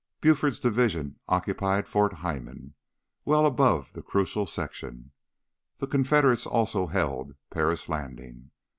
Buford's division occupied Fort Heiman, well above the crucial section. The Confederates also held Paris Landing.